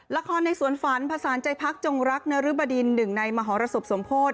ละครในสวนฝันผสานใจพักจงรักนรึบดินหนึ่งในมหรสบสมโพธิ